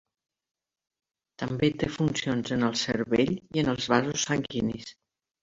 També té funcions en el cervell i en els vasos sanguinis.